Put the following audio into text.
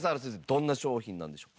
どんな商品なんでしょう？